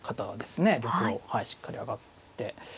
玉をしっかり上がって。